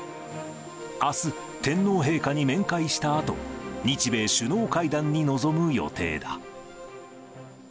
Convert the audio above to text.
あす、天皇陛下に面会したあと、日米首脳会談に臨む予定だ。